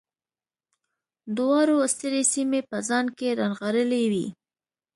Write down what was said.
دواړو سترې سیمې په ځان کې رانغاړلې وې.